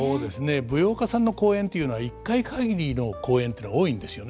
舞踊家さんの公演というのは一回限りの公演というのが多いんですよね。